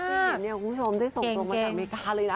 ๕ปีเนี่ยคุณผู้ชมได้ส่งลงมาจากอเมริกาเลยนะ